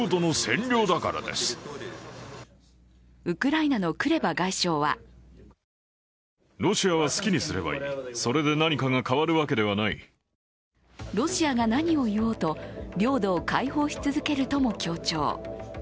ウクライナのクレバ外相はロシアが何を言おうと領土を解放し続けるとも強調。